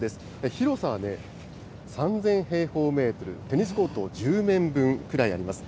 広さはね、３０００平方メートル、テニスコート１０面分くらいあります。